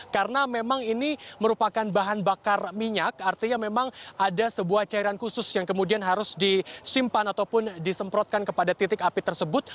karena memang ini merupakan bahan bakar minyak artinya memang ada sebuah cairan khusus yang kemudian harus disimpan ataupun disemprotkan kepada titik api tersebut